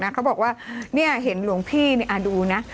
เขาบอกว่าเห็นหลวงพี่ดูนะ